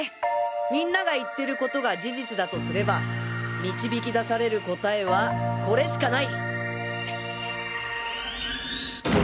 みんなが言ってる事が事実だとすれば導き出される答えはこれしかない！